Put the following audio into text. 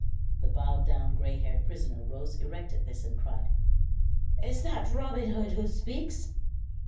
The bowed down gray haired prisoner rose erect at this, and cried: "Is that Robin Hood who speaks?"